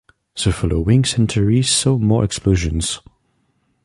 The following century saw more explosions.